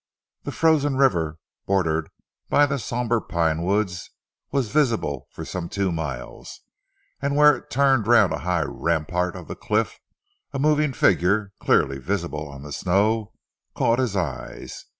The frozen river, bordered by the sombre pinewoods, was visible for some two miles, and where it turned round a high rampart of the cliff, a moving figure, clearly visible on the snow, caught his eyes.